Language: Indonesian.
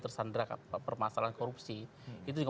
tersandra permasalahan korupsi itu juga